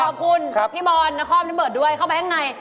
ขอบคุณขอบคุณพี่บอลข้อมน้ำเบิร์ดด้วยเข้าไปข้างใน